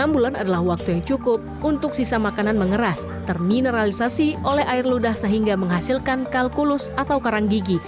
enam bulan adalah waktu yang cukup untuk sisa makanan mengeras termineralisasi oleh air ludah sehingga menghasilkan kalkulus atau karang gigi